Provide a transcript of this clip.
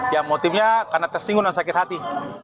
ya motifnya karena tersinggung dan sakit hati